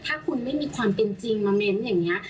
ถ้าคุณไม่มีความเป็นจริงมาเม้นต์อย่างนี้